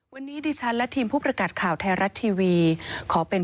วันนี้ดิฉันและทีมผู้ประกาศข่าวไทยรัฐทีวีขอเป็น